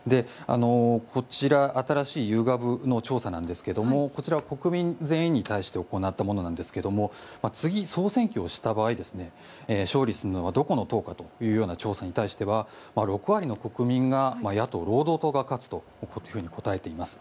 こちら、新しいユーガブの調査なんですがこちらは国民全員に対して行ったものなんですが次、総選挙をした場合勝利するのはどこの党かというような調査に対しては６割の国民が野党・労働党が勝つと答えています。